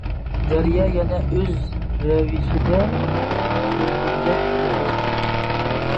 دەريا يەنە ئۆز رەۋىشىدە گۈلدۈرلەپ ئېقىۋاتىدۇ.